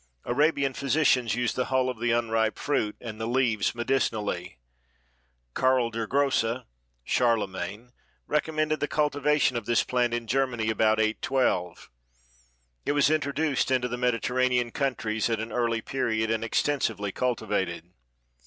Arabian physicians used the hull of the unripe fruit and the leaves medicinally, Karl der Grosse (Charlemagne) recommended the cultivation of this plant in Germany about 812. It was introduced into the Mediterranean countries at an early period and extensively cultivated.